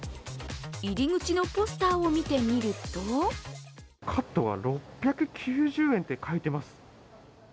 入り口のポスターを見てみるとカットが６９０円って書いています